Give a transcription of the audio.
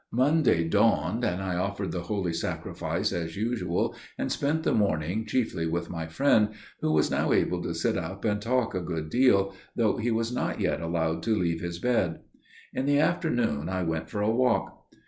"Monday dawned, and I offered the Holy Sacrifice as usual, and spent the morning chiefly with my friend, who was now able to sit up and talk a good deal, though he was not yet allowed to leave his bed. "In the afternoon I went for a walk.